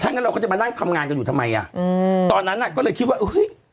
งั้นเราก็จะมานั่งทำงานกันอยู่ทำไมอ่ะอืมตอนนั้นอ่ะก็เลยคิดว่าเฮ้ย